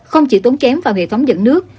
không chỉ tốn kém vào hệ thống dẫn nước